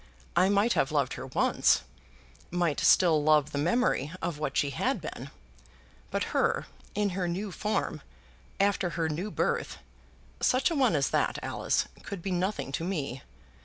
I might have loved her once, might still love the memory of what she had been; but her, in her new form, after her new birth, such a one as that, Alice, could be nothing to me.